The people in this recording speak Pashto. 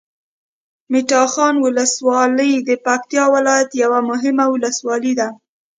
مټاخان ولسوالي د پکتیکا ولایت یوه مهمه ولسوالي ده